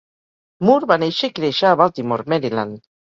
Moore va néixer i créixer a Baltimore, Maryland.